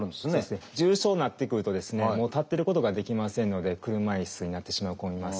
重症になってくるとですね立ってることができませんので車いすになってしまう子もいます。